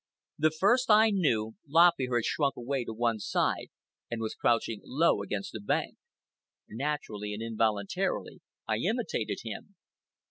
The first I knew, Lop Ear had shrunk away to one side and was crouching low against the bank. Naturally and involuntarily, I imitated him.